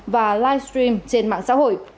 và live stream trên mạng xã hội